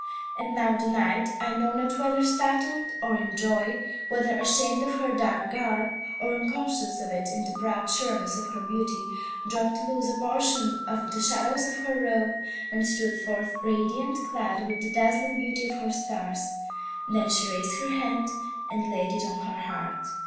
And now the Night, I know not whether startled or in joy, whether ashamed of her dark garb, or unconscious of it in the proud sureness of her beauty, dropped loose a portion of the shadows of her robe, and stood forth radiant, clad with the dazzling beauty of her stars. Then she raised her hand and laid it on her heart.